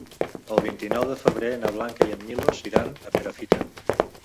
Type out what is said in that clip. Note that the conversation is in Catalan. El vint-i-nou de febrer na Blanca i en Milos iran a Perafita.